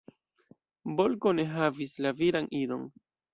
Bolko ne havis la viran idon.